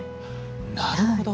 なるほど！